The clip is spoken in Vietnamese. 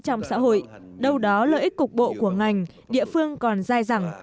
trong xã hội đâu đó lợi ích cục bộ của ngành địa phương còn dai dẳng